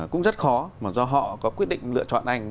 cũng rất khó mà do họ có quyết định lựa chọn anh